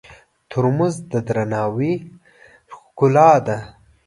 ترموز د درناوي ښکلا ده.